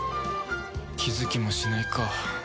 気づきもしないか